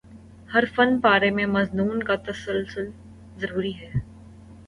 ہر فن پارے میں مضمون کا تسلسل ضروری ہے